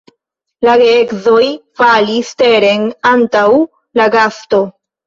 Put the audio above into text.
La geedzoj falis teren antaŭ la gasto.